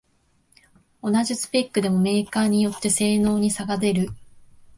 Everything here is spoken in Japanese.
同じスペックでもメーカーによって性能に差が出る